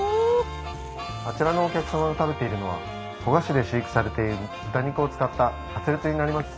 あちらのお客様が食べているのは古河市で飼育されている豚肉を使ったカツレツになります。